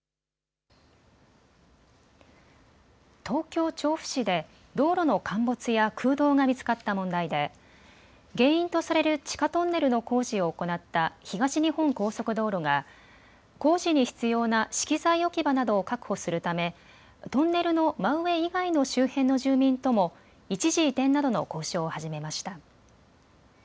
東京調布市で道路の陥没や空洞が見つかった問題で原因とされる地下トンネルの工事を行った東日本高速道路が工事に必要な資機材置き場などを確保するためトンネルの真上以外の周辺の住民とも一時移転などの交渉を始めました。